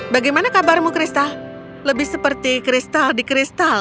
bagaimana kabarmu kristal lebih seperti kristal di kristal